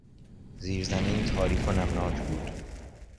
زیرزمین تاریک و نمناک بود.